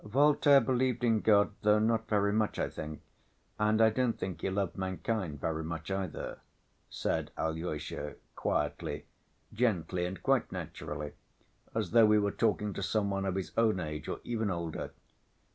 "Voltaire believed in God, though not very much, I think, and I don't think he loved mankind very much either," said Alyosha quietly, gently, and quite naturally, as though he were talking to some one of his own age, or even older.